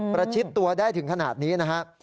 ประชิดตัวได้ถึงขนาดนี้นะครับ